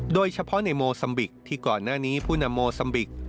โดยเฉพาะในโมซัมบิกที่ก่อนหน้านี้ผู้นำโมซัมบิก